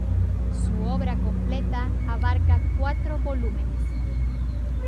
Su obra completa abarca cuatro volúmenes.